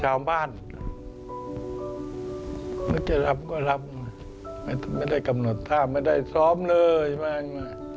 ไม่ได้กำหนดชาวบ้านไม่ได้กำหนดท่าไม่ได้ซ้อมเลยแม่ง